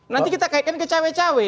nanti kita kaitkan ke cawe cawe